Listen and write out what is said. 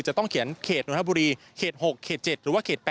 จะต้องเขียนเขตนนทบุรีเขต๖เขต๗หรือว่าเขต๘